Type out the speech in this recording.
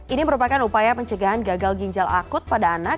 ini merupakan upaya pencegahan gagal ginjal akut pada anak